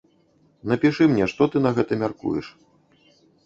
Напішы мне, што ты на гэта мяркуеш.